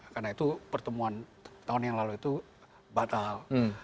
karena itu pertemuan tahun yang lalu itu batal